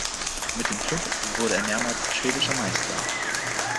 Mit dem Klub wurde er mehrmals schwedischer Meister.